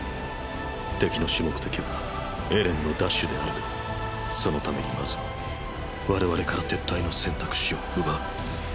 敵の主目的はエレンの奪取であるがそのためにまず我々から撤退の選択肢を奪う。